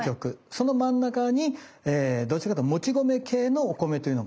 その真ん中にどっちかというともち米系のお米というのがあります。